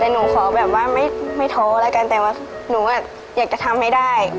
แต่หนูขอแบบว่าไม่ท้อแล้วกันแต่ว่าหนูอยากจะทำให้ได้